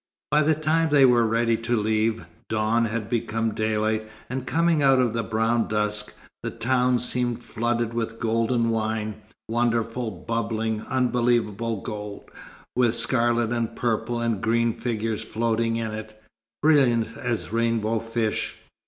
By the time they were ready to leave, dawn had become daylight, and coming out of the brown dusk, the town seemed flooded with golden wine, wonderful, bubbling, unbelievable gold, with scarlet and purple and green figures floating in it, brilliant as rainbow fish.